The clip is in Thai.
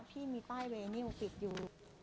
พี่มีป้ายเวนิวปิดอยู่